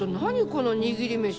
この握り飯。